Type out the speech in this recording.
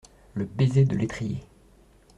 Le baiser de l’étrier !